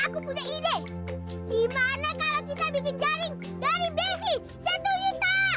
aku punya ide gimana kalau kita bikin jaring dari besi setuju tak